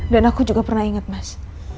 dan aku juga pernah inget mas